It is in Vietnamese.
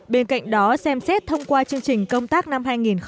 bên cạnh đó xem xét thông qua chương trình công tác năm hai nghìn hai mươi